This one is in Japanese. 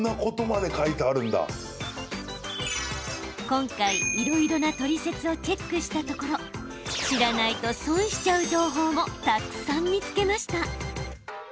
今回いろいろなトリセツをチェックしたところ知らないと損しちゃう情報もたくさん見つけました。